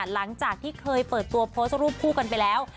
หลังจากที่เคยเปิดตัวโพสต์รูปคู่กันไปแล้ว